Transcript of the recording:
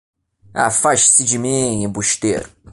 Afaste-se de mim, embusteiro